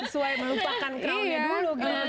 suai melupakan crownnya dulu